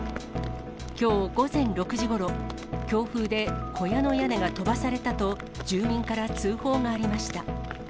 きょう午前６時ごろ、強風で小屋の屋根が飛ばされたと、住民から通報がありました。